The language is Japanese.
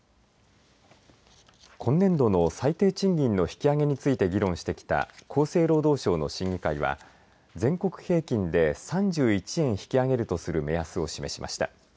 今年度の最低賃金の引き上げについて議論してきた厚生労働省の審議会は全国平均で３１円引き上げるとする目安を示しました。